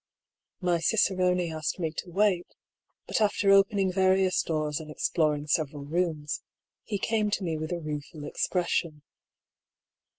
My cicerone asked me to wait; but after opening Tarious doors and exploring several rooms, he came to me with a rueful expression.